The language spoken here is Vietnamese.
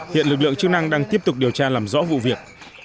hiện lực lượng chức năng đang tiếp tục điều tra làm rõ vụ việc